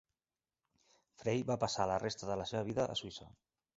Frey va passar la resta de la seva vida a Suïssa.